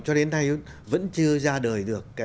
cho đến nay vẫn chưa ra đời được